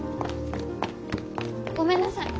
ごめんなさい。